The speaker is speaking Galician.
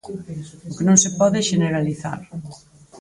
O que non se pode é xeneralizar.